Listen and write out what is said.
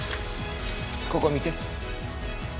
ここ見て。